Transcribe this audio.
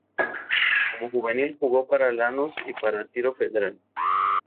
Como juvenil jugó para Lanús y para Tiro Federal.